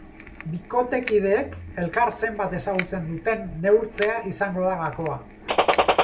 Bikotekideek elkar zenbat ezagutzen duten neurtzea izango da gakoa.